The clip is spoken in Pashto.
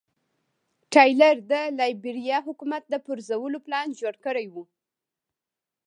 ټایلر د لایبیریا حکومت د پرځولو پلان جوړ کړی و.